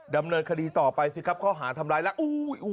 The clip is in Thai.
ดำเนินคดีต่อไปสิครับข้อหาทำร้ายแล้ว